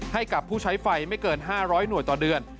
ให้กับผู้ใช้ไฟไม่เกิน๕๐๐หน่วยต่อเดือน